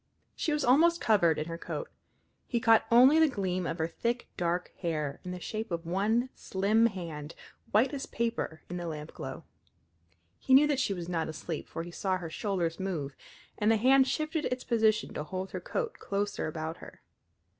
She was almost covered in her coat. He caught only the gleam of her thick, dark hair, and the shape of one slim hand, white as paper in the lampglow. He knew that she was not asleep, for he saw her shoulders move, and the hand shifted its position to hold the coat closer about her.